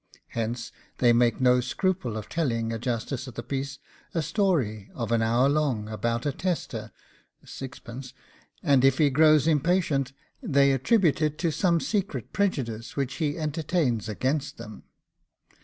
Hence they make no scruple of telling a justice of the peace a story of an hour long about a tester (sixpence); and if he grows impatient, they attribute it to some secret prejudice which he entertains against them.